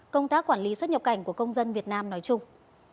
công tác quản lý xuất nhập cảnh của công dân việt nam nói chung